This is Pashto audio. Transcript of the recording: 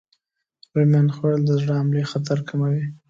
رومیان خوړل د زړه حملې خطر کموي.